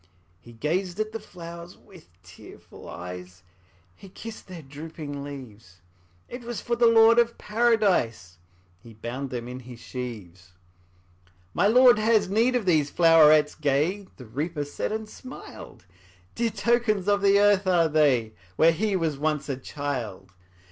'' He gazed at the flowers with tearful eyes, He kissed their drooping leaves; It was for the Lord of Paradise He bound them in his sheaves. ``My Lord has need of these flowerets gay,'' The Reaper said, and smiled; ``Dear tokens of the earth are they, Where he was once a child.